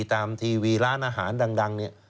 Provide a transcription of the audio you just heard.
ทีวีร้านอาหารดังเนี่ย